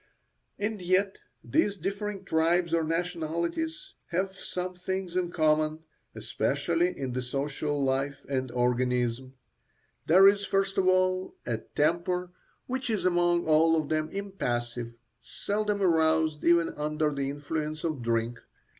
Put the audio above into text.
And yet these differing tribes or nationalities have some things in common, especially in the social life and organism. There is, first of all, a temper which is among all of them impassive, seldom aroused even under the influence of drink.